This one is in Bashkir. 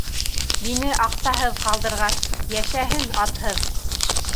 Мине аҡсаһыҙ ҡалдырғас, йәшәһен атһыҙ!..